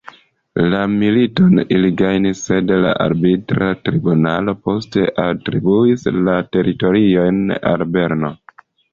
La militon ili gajnis, sed arbitra tribunalo poste atribuis la teritoriojn al Berno.